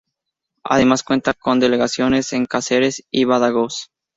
Además, cuenta con delegaciones en Cáceres y Badajoz.